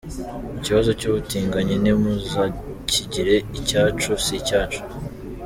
Ikibazo cy’ubutinganyi ntimuzakigire icyacu, si icyacu.